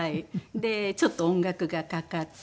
でちょっと音楽がかかっていて。